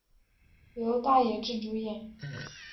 由大野智主演。